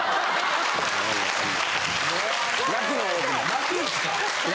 泣くんすか。